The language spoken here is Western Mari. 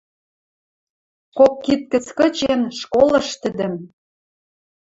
Кок кид гӹц кычен, школыш тӹдӹм.